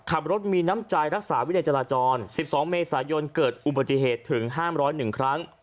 ขับรถมีน้ำใจรักษาวินัยจราจร๑๒เมษายนเกิดอุบัติเหตุถึง๕๐๑ครั้ง